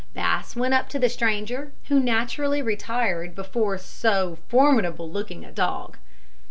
Bass went up to the stranger, who naturally retired before so formidable looking a dog.